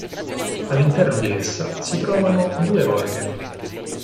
All'interno di essa si trovano due organi.